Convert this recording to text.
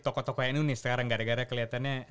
toko toko nu nih sekarang gara gara keliatannya